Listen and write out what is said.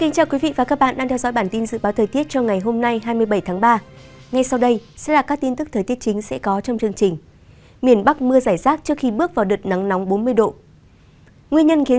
các bạn hãy đăng ký kênh để ủng hộ kênh của chúng mình nhé